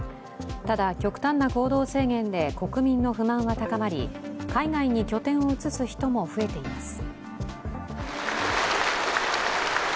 ただ極端な行動制限で国民の不満が高まり、海外に拠点を移す人も増えています。